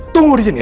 tunggu disini ya